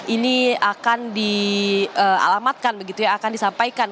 ini akan dialamatkan begitu ya akan disampaikan